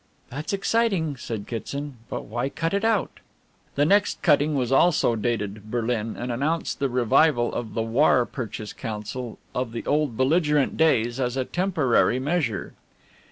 "That's exciting," said Kitson, "but why cut it out?" The next cutting was also dated "Berlin" and announced the revival of the "War Purchase Council" of the old belligerent days as "a temporary measure."